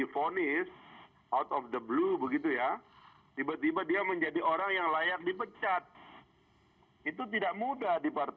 itu tidak mudah di partai ini karena ada sistemnya